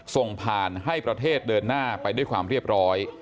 ส่งผ่านให้ประเทศเดินหน้าไปด้วยความเรียบร้อย